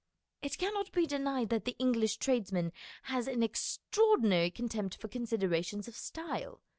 It cannot be denied that the English tradesman has an extraordinary contempt for considerations of style.